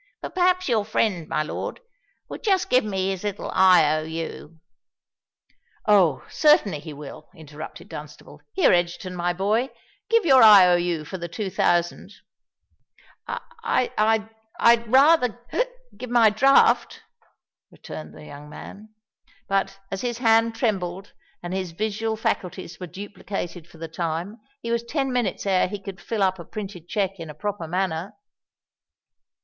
But perhaps your friend, my lord, would just give me his little I. O. U.——" "Oh! certainly, he will" interrupted Dunstable. "Here, Egerton, my boy—give your I. O. U. for the two thousand——" "I'd ra a ther—hic—give my draft," returned the young man. But, as his hand trembled and his visual faculties were duplicated for the time, he was ten minutes ere he could fill up a printed cheque in a proper manner.